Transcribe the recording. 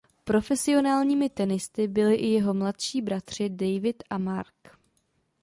Profesionálními tenisty byli i jeho mladší bratři David a Mark.